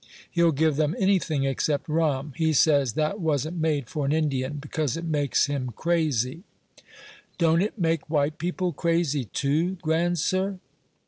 He'll give them anything except rum; he says that wasn't made for an Indian, because it makes him crazy." "Don't it make white people crazy, too, grandsir?"